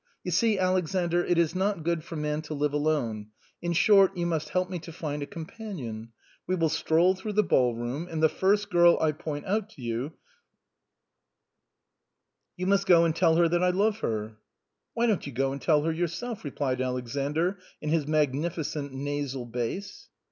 You see, Alexander, it is not good for man to live alone ; in short, you must help me to find a companion. We will stroll through the ball room, and the first girl I point out to you, you must go and tell her that I love her." LENTEN LOVES. 49 " Why don't you go and tell her so j^ourself ?" replied Alexander in his magnificent nasal bass.